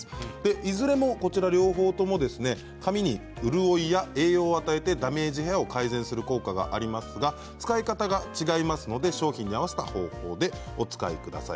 いずれも髪に潤いや栄養を与えてダメージヘアを改善する効果がありますが使い方が違いますので商品に合わせた方法でお使いください。